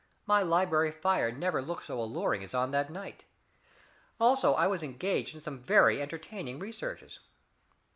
My library fire never looked so alluring as on that night. Also, I was engaged in some very entertaining researches."